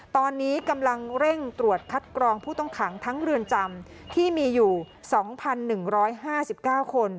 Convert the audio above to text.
ตอนนี้กำลังเร่งตรวจคัดกรองผู้ต้องขังทั้งเรือนจำที่มีอยู่สองพันหนึ่งร้อยห้าสิบเก้าคน